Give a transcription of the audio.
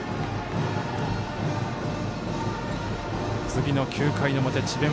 次の９回の表智弁